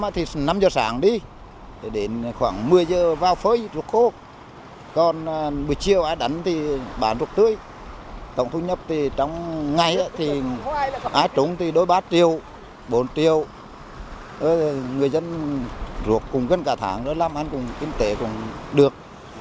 tổng thu nhập trong ngày trúng đối ba triệu bốn triệu người dân ruốc cùng gân cả tháng làm ăn cùng kinh tế cũng được